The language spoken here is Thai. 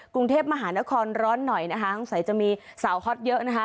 กรุงเทพมหานครร้อนหน่อยนะคะคงใส่จะมีเยอะนะคะ